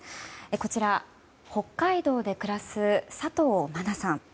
こちら、北海道で暮らす佐藤万奈さん。